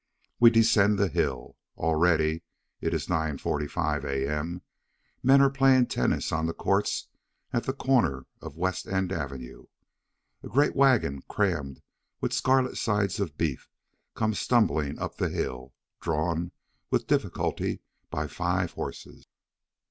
We descend the hill. Already (it is 9:45 A. M.) men are playing tennis on the courts at the corner of West End Avenue. A great wagon crammed with scarlet sides of beef comes stumbling up the hill, drawn, with difficulty, by five horses.